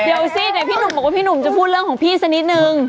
เดี๋ยวสิเดี๋ยวพี่หนุ่มบอกว่าพี่หนุ่มจะพูดเรื่องของพี่สักนิดนึง